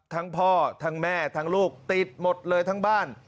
ทั้งพ่อทั้งแม่ทั้งลูกติดหมดเลยทั้งบ้าน